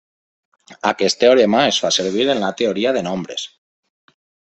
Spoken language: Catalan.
Aquest teorema es fa servir en la teoria de nombres.